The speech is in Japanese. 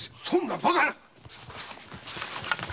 そんなバカな！？